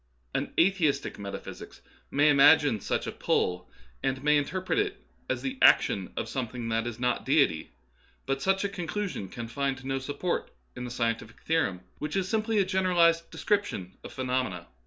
An atheistic 6 Dm'winism and Other Essays, metaphysics may imagine sucli a "pull," and may interpret it as the '' action " of something that is not Deity, but such a conclusion can find no support in the scientific theorem, which is simply a generalized description of phenomena.